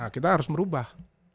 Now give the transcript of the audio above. kita harus merubah